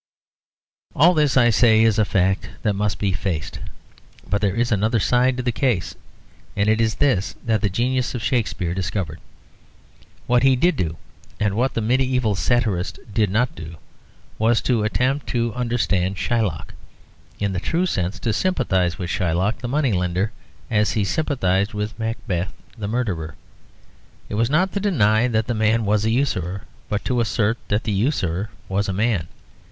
All this, I say, is a fact that must be faced, but there is another side to the case, and it is this that the genius of Shakespeare discovered. What he did do, and what the medieval satirist did not do, was to attempt to understand Shylock; in the true sense to sympathise with Shylock the money lender, as he sympathised with Macbeth the murderer. It was not to deny that the man was an usurer, but to assert that the usurer was a man.